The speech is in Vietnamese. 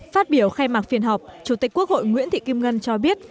phát biểu khai mạc phiên họp chủ tịch quốc hội nguyễn thị kim ngân cho biết